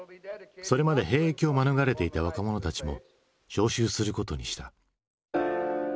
それまで兵役を免れていた若者たちも招集することにした。